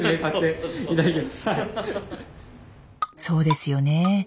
そうですよね。